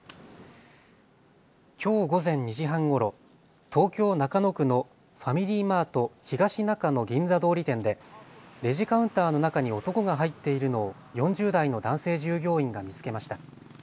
きょう午前２時半ごろ東京中野区のファミリーマート東中野ギンザ通り店でレジカウンターの中に男が入っているのを４０代の男性従業員が見つけました。